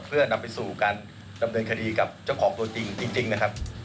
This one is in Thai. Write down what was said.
เพื่อนำไปสู่การดำเนินคดีกับเจ้าของตัวจริงจริงนะครับ